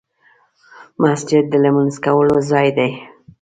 مسجد د لمونځ کولو ځای دی .